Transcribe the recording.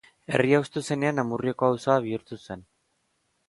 Herria hustu zenean Amurrioko auzoa bihurtu zen.